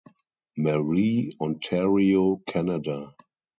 Marie, Ontario, Canada.